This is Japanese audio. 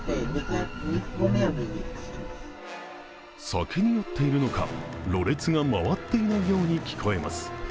酒に酔っているのかろれつが回っていないように聞こえます。